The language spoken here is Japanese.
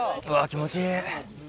気持ちいい。